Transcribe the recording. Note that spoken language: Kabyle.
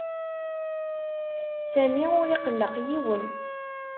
Sami ur iqelleq yiwen.